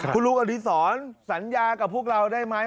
คุณลุงอดีศรสัญญากับพวกเราได้ไหม